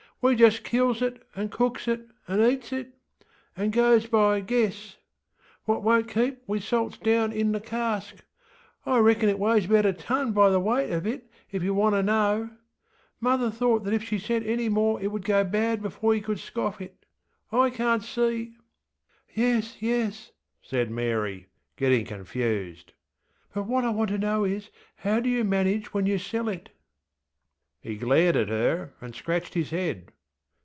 We just kills it, and cooks it, and eats itŌĆöand goes by guess. What wonŌĆÖt keep we salts down in the cask. I reckon it weighs about a ton by the weight of it if yer wanter know. Mother thought that if she sent any more it would go bad before you could scoff it. I canŌĆÖt seeŌĆöŌĆöŌĆÖ ŌĆśYes, yes, ŌĆÖ said Mary, getting confused. ŌĆśBut what I want to know is, how do you manage when you sell it? ŌĆÖ He glared at her, and scratched his head.